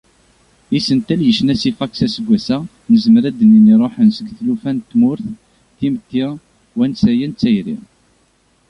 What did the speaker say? Isental i yecna Sifaks aseggas-a, nezmer ad d-nini ruḥen seg tlufa n tmurt, timetti, wansayen d tayri.